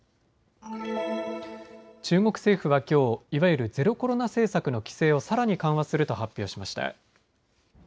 中国政府はきょういわゆるゼロコロナ政策の規制をさらに緩和すると発表しました。